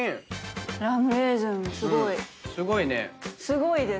すごいね。